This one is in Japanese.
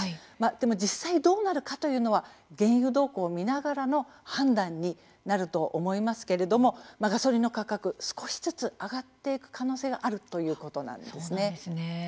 でも実際、どうなるかというのは原油動向を見ながらの判断になると思いますけれどもガソリンの価格、少しずつ上がっていく可能性があるということなんですね。